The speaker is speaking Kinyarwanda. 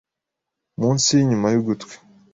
munsi n’inyuma y’ugutwi,